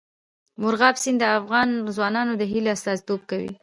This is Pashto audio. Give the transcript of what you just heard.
مورغاب سیند د افغان ځوانانو د هیلو استازیتوب کوي.